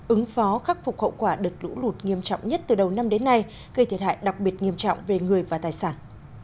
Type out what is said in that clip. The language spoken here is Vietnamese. ứng phó khắc phục hậu quả đợt lũ lụt nghiêm trọng nhất từ đầu năm đến nay gây thiệt hại đặc biệt nghiêm trọng về người và tài sản